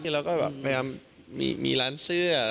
เราก็แบบพยายามมีร้านเสื้อ